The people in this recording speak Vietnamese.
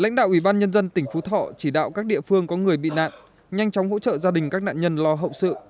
lãnh đạo ủy ban nhân dân tỉnh phú thọ chỉ đạo các địa phương có người bị nạn nhanh chóng hỗ trợ gia đình các nạn nhân lo hậu sự